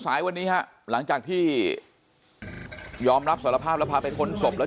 สายวันนี้ฮะหลังจากที่ยอมรับสารภาพแล้วพาไปค้นศพแล้ว